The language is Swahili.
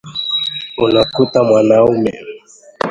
Unakuta mwanaume